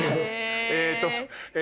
えっと。